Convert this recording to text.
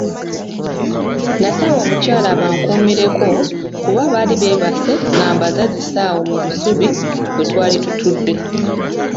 Nasaba omukyala abankuumireko kuba baali beebase nga mbazazise awo mu busubi we twali tutudde.